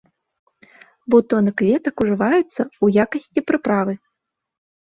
Бутоны кветак ужываюцца ў якасці прыправы.